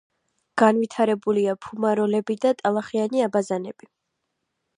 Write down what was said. განვითარებულია ფუმაროლები და ტალახიანი აბაზანები.